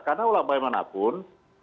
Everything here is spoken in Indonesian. karena ulama'i manapun